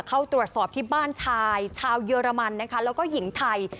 เข้าตรวจสอบที่บ้านชายชาวเยอรมันนะคะแล้วก็หญิงไทย